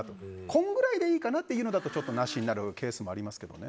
こんぐらいでいいかなというならちょっとなしになるケースもありますけどね。